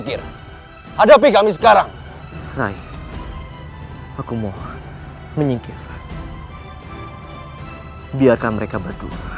tetapi aku tidak memiliki banyak waktu